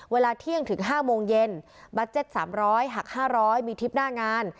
เวลาเที่ยงถึงห้าโมงเย็นบัดเจ็ดสามร้อยหักห้าร้อยมีทริปหน้างาน